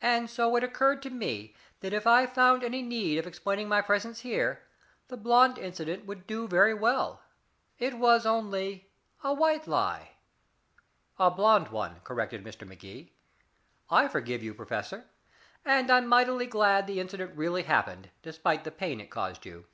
And so it occurred to me that if I found any need of explaining my presence here, the blond incident would do very well. It was only a white lie." "A blond one," corrected Mr. Magee. "I forgive you, Professor. And I'm mighty glad the incident really happened, despite the pain it caused you.